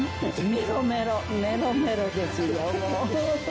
メロメロ、メロメロですよ、もう。